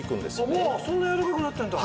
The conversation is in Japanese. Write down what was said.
そんなにやわらかくなってるんだ！